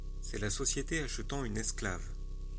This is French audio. C’est la société achetant une esclave.